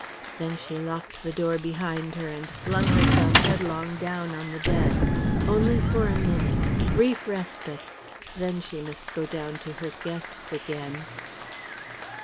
Then she locked the door behind her and flung herself headlong down on the bed. ... Only for a minute, a brief respite; then she must go down to her guests again.